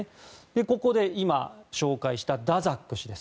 ここで今、紹介したダザック氏です。